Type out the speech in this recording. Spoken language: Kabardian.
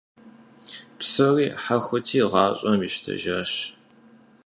Псори хьэхути, гъащӀэм ищтэжащ.